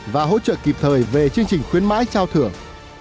và hỗ trợ kịp thời về chương trình khuyến mãi trao thưởng